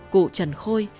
cụ trần khôi